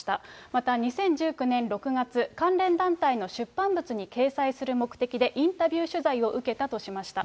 また２０１９年６月、関連団体の出版物に掲載する目的で、インタビュー取材を受けたとしました。